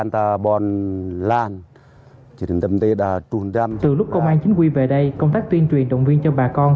từ lúc công an chính quy về đây công tác tuyên truyền động viên cho bà con